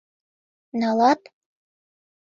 Налат?